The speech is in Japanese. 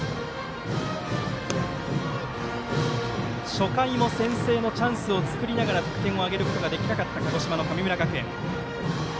初回も先制のチャンスを作りながら得点を挙げることができなかった鹿児島の神村学園。